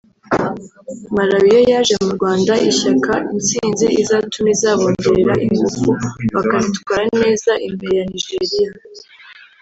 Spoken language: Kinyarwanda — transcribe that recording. Malawi yo yaje mu Rwanda ishaka intsinzi izatuma izabongerera ingufu bakaziitwara neza imbere ya Nigeria